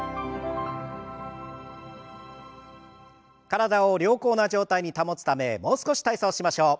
体を良好な状態に保つためもう少し体操しましょう。